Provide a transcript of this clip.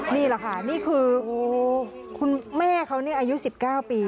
นี่แหละค่ะนี่คือคุณแม่เขานี่อายุ๑๙ปี